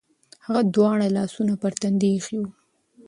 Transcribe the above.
هغه دواړه لاسونه پر تندي ایښي و.